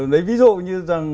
đấy ví dụ như rằng